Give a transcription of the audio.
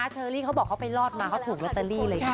เชอรี่เขาบอกเขาไปรอดมาเขาถูกลอตเตอรี่เลย